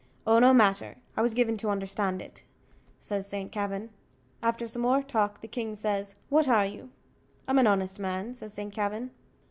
"Oh, no matter; I was given to understand it," says Saint Kavin. After some more talk the king says, "What are you?" "I'm an honest man," says Saint Kavin.